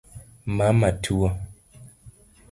Mama tuo?